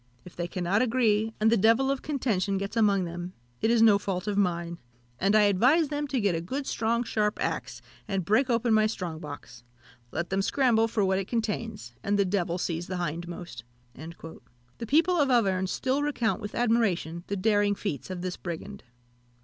If they cannot agree, and the devil of contention gets among them, it is no fault of mine; and I advise them to get a good strong sharp axe, and break open my strong box. Let them scramble for what it contains, and the devil seize the hindmost." The people of Auvergne still recount with admiration the daring feats of this brigand.